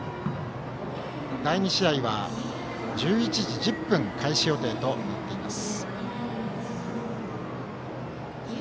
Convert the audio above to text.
第２試合は１１時１０分開始予定となっています。